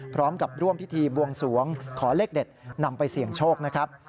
พร้อมกับร่วมพิธีบวงสวงขอเลขเด็ดนำไปเสี่ยงโชคนะครับ